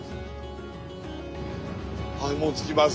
はいもう着きます